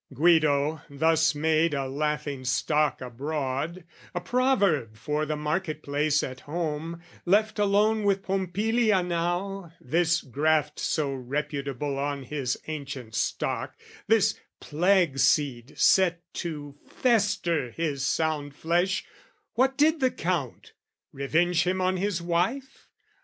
Guido, thus made a laughing stock abroad, A proverb for the market place at home, Left alone with Pompilia now, this graft So reputable on his ancient stock, This plague seed set to fester his sound flesh, What did the Count? Revenge him on his wife?